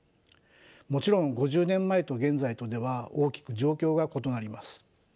もちろん５０年前と現在とでは大きく状況が異なります。